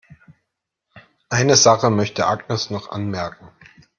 Eine Sache möchte Agnes noch anmerken.